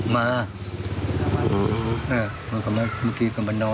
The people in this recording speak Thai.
มามันมาเรื่อยแล้ว